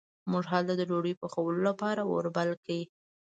موږ هلته د ډوډۍ پخولو لپاره اور بل کړ.